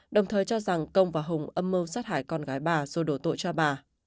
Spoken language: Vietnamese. đồng thời cho rằng công và hùng âm mưu sát hại con gái bà rồi đổ tội cho bà